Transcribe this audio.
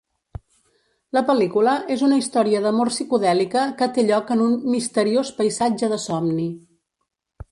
La pel·lícula és una història d'amor psicodèlica que té lloc en un "misteriós paisatge de somni".